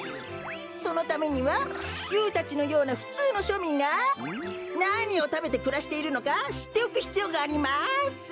そのためにはユーたちのようなふつうのしょみんがなにをたべてくらしているのかしっておくひつようがあります。